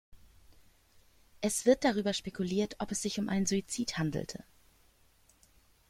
Es wird darüber spekuliert, ob es sich um einen Suizid handelte.